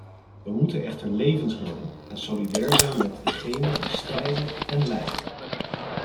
Wij moeten echter levens redden en solidair zijn met degenen die strijden en lijden.